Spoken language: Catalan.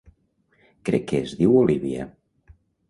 Crec que es diu Olivia.